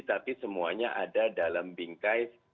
tapi semuanya ada dalam bingkai